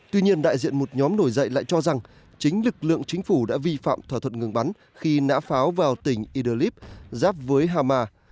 tuy nhiên đại diện một nhóm nổi dậy lại cho rằng chính lực lượng chính phủ đã vi phạm thỏa thuận ngừng bắn khi nã pháo vào tỉnh idlib giáp với hama